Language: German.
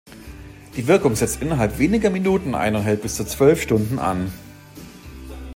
Die Wirkung setzt innerhalb weniger Minuten ein und hält bis zu zwölf Stunden an.